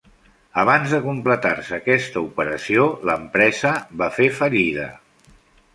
Abans de completar-se aquesta operació, l'empresa va fer fallida.